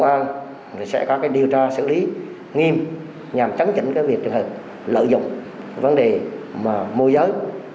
thâm mưu sẽ có điều tra xử lý nghiêm nhằm chấn chỉnh việc lợi dụng vấn đề môi giới